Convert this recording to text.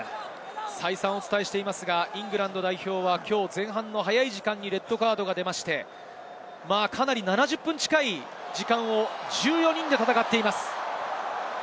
再三お伝えしていますが、イングランド代表はきょう前半の早い時間にレッドカードが出て、７０分近い時間を１４人で戦っています。